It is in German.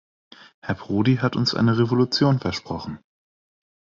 Herr Prodi hat uns eine Revolution versprochen.